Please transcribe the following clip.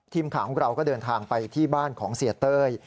ทีมข่าวของเราก็เดินทางไปที่บ้านของเสียเต้ย